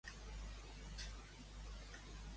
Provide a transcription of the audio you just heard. Es planteja una ruptura amb Ciutadans?